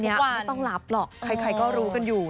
ไม่ต้องรับหรอกใครก็รู้กันอยู่